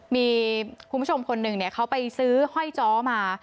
มีคุณผู้ชมคนหนึ่งเขาไปซื้อห้อยจ้อมา